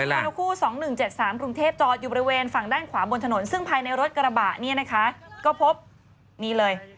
ฮนุคู่๒๑๗๓กรุงเทพจอดอยู่บริเวณฝั่งด้านขวาบนถนนซึ่งภายในรถกระบะเนี่ยนะคะก็พบนี่เลย